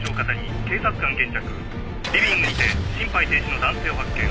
リビングにて心肺停止の男性を発見。